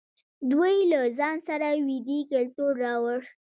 دوی له ځان سره ویدي کلتور راوړ.